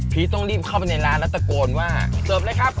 ต้องรีบเข้าไปในร้านแล้วตะโกนว่าเสิร์ฟเลยครับ